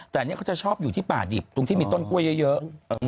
แต่อันนี้เขาจะชอบอยู่ที่ป่าดิบตรงที่มีต้นกล้วยเยอะ